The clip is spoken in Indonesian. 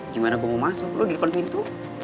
gimana gue mau masuk lu di depan pintu